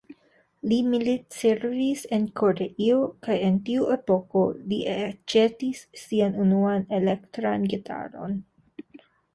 Li militservis en Koreio, kaj en tiu epoko li aĉetis sian unuan elektran gitaron.